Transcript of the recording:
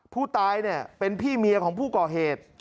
ผู้ตายเนี่ยเป็นพี่เมียของผู้ก่อเหตุ